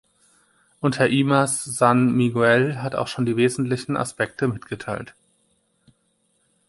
Und Herr Imaz San Miguel hat auch schon die wesentlichen Aspekte mitgeteilt.